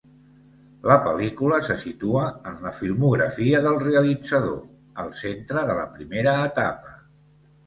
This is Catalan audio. La pel·lícula se situa, en la filmografia del realitzador, al centre de la primera etapa.